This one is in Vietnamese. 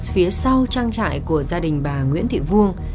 phía sau trang trại của gia đình bà nguyễn thị vuông